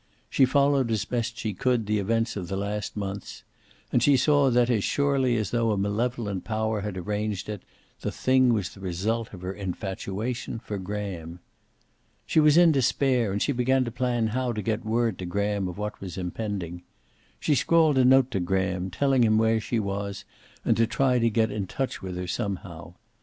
She followed as best she could the events of the last months, and she saw that, as surely as though a malevolent power had arranged it, the thing was the result of her infatuation for Graham. She was in despair, and she began to plan how to get word to Graham of what was impending. She scrawled a note to Graham, telling him where she was and to try to get in touch with her somehow.